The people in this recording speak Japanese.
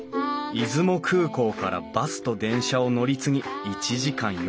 出雲空港からバスと電車を乗り継ぎ１時間４５分。